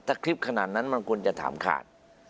ถ้าคลิปขนาดนั้นบางคนจะถามขาด